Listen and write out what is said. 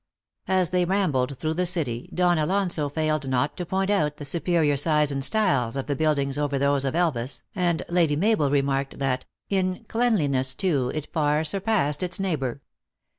As they rambled through the city, Don Alonso failed not to point out the superior size and style of the buildings over those of Elvas, and Lady Mabel remarked that " in cleanliness, too, it far surpassed its 4 THE ACTRESS IN HIGH LIFE. 289 neighbor.